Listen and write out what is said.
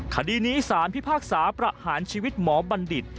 คดีนี้สารพิพากษาประหารชีวิตหมอบัณฑิต